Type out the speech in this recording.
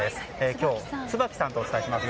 今日、椿さんとお伝えします。